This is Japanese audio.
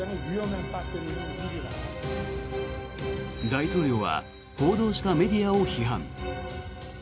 大統領は報道したメディアを批判。